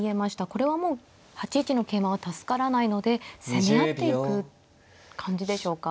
これはもう８一の桂馬は助からないので攻め合っていく感じでしょうか。